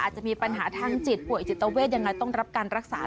อาจจะมีปัญหาทางจิตป่วยจิตเวทยังไงต้องรับการรักษา